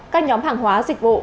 các nhóm hàng hóa dịch vụ